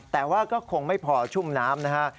แต่ว่าก็คงไม่พอชุ่มน้ำนะฮะ